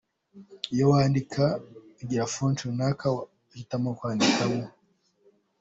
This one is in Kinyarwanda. Iyo wandika ugira ‘Font’ runaka uhitamo kwandikamo.